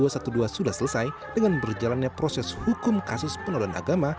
sudah selesai dengan berjalannya proses hukum kasus penodaan agama